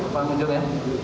pak mujur ya